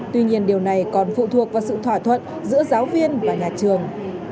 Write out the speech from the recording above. tuy nhiên điều này còn phụ thuộc vào sự thỏa thuận giữa giáo viên và nhà trường